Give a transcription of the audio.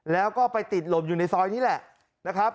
แล้วก็ไปติดหลบอยู่ในซอยนี้แหละนะครับ